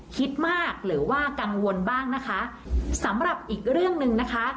คิดมากหรือว่ากังวลบ้างนะคะสำหรับอีกเรื่องหนึ่งนะคะ